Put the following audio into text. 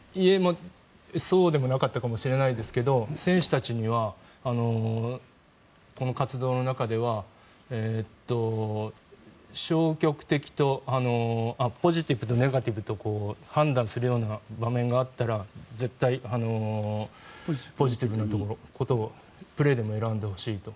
そうでもなかったかもしれないですけど選手たちにはこの活動の中ではポジティブとネガティブと判断するような場面があったら絶対、ポジティブなことをプレーでも選んでほしいと。